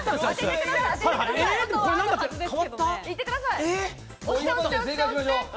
当ててください。